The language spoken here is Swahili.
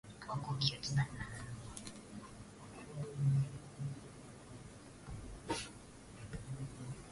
Ng'ombe aliyepigwa risasi iliyomvunja miguu yote ya mbele ameanguka zizini.